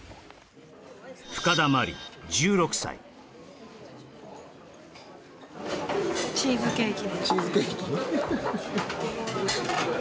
深田茉莉１６歳・チーズケーキ？